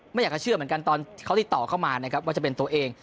ไม่อยากจะเชื่อเหมือนกันตอนเขาติดต่อเข้ามานะครับว่าจะเป็นตัวเอง